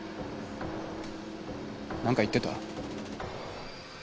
なんか言ってた？